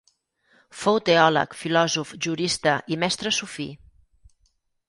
Fou teòleg, filòsof, jurista i mestre sufí.